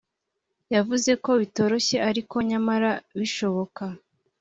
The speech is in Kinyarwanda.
yavuze ko bitoroshye ariko nyamara bishoboka